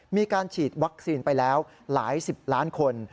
มีการฉีดวัคซีนไปแล้วหลายสิบล้านคน